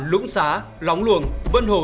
lũng xá lóng luồng vân hồ